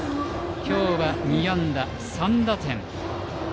今日は２安打３打点。